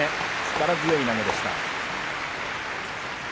力強い投げでした。